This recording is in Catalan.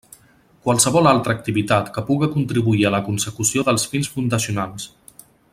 Qualsevol altra activitat que puga contribuir a la consecució dels fins fundacionals.